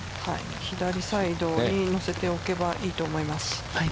左サイドに寄せておけばいいと思います。